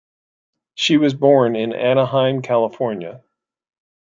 She was born in Anaheim, California.